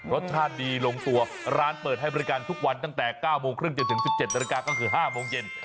รสชาติดีลงตัวร้านเปิดให้บริการทุกวันตั้งแต่๙โมงครึ่งจนถึง๑๗นาฬิกาก็คือ๕โมงเย็น